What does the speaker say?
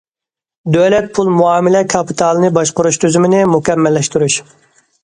دۆلەت پۇل مۇئامىلە كاپىتالىنى باشقۇرۇش تۈزۈمىنى مۇكەممەللەشتۈرۈش.